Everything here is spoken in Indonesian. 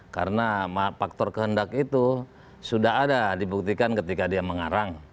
karena faktor kehendak itu sudah ada dibuktikan ketika dia mengarang